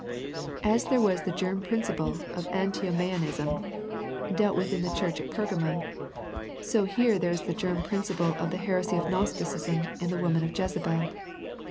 As there was the germ principle of Antino mianism dealt with in the church at Perga mum, so here there is the germ principle of the heresy of Gnosticism in the woman Jezebel.